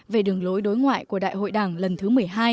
về đường lối đối ngoại của đại hội đảng lần thứ một mươi hai